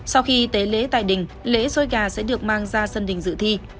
sau khi tế lễ tại đình lễ xôi gà sẽ được mang ra đình